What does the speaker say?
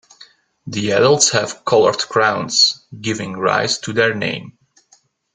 The adults have colored crowns, giving rise to their name.